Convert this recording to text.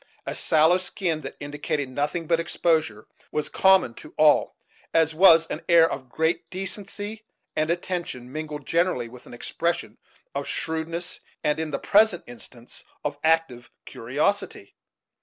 A sallow skin, that indicated nothing but exposure, was common to all, as was an air of great decency and attention, mingled, generally, with an expression of shrewdness, and in the present instance of active curiosity.